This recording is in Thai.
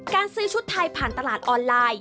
การซื้อชุดไทยผ่านตลาดออนไลน์